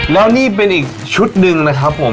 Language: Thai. แล้วนี่เป็นอีกชุดหนึ่งนะครับผม